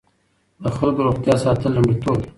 د خلکو روغتیا ساتل لومړیتوب دی.